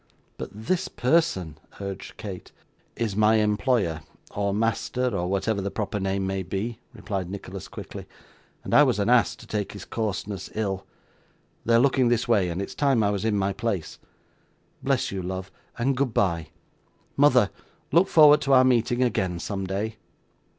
'But this person,' urged Kate. 'Is my employer, or master, or whatever the proper name may be,' replied Nicholas quickly; 'and I was an ass to take his coarseness ill. They are looking this way, and it is time I was in my place. Bless you, love, and goodbye! Mother, look forward to our meeting again someday!